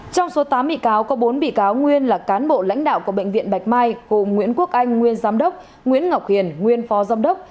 trong số tám bị cáo có bốn bị cáo nguyên là cán bộ lãnh đạo của bệnh viện bạch mai gồm nguyễn quốc anh nguyên giám đốc nguyễn ngọc hiền nguyên phó giám đốc